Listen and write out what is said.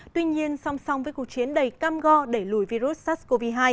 tuy nhiên song song với cuộc chiến đầy cam go đẩy lùi virus sars cov hai